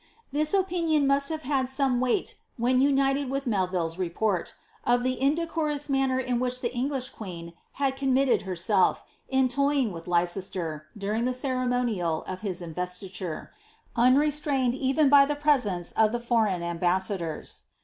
^ Tins opin ion must have had some weight when united with Melville's report, of the indecorous manner in which the English queen had committed her self, in toying with Leicester, during the ceremonial of his investiture, nnrestrained even by tiie presence of the foreign ambassadors.